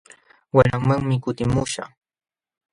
Walamanmi kutimuśhaq.